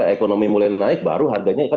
ekonomi mulai naik baru harganya